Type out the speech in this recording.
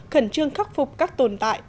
khẩn trương khắc phục các tồn tại